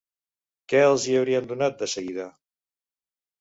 Que els hi haurien donat des-seguida